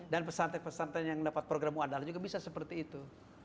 pesantren pesantren yang dapat program wadal juga bisa seperti itu